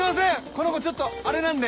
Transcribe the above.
この子ちょっとアレなんで。